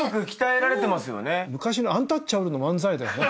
昔のアンタッチャブルの漫才だよね。